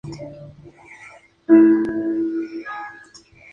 Poole servía a bordo de este último, probablemente como piloto.